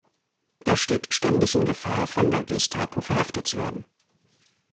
Er steht ständig in Gefahr, von der Gestapo verhaftet zu werden.